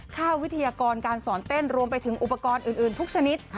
วิทยากรการสอนเต้นรวมไปถึงอุปกรณ์อื่นทุกชนิด